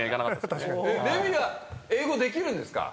英語できるんですか？